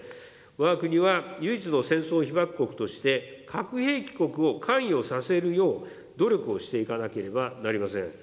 わが国は、唯一の戦争被爆国として、核兵器国を関与させるよう、努力をしていかなければなりません。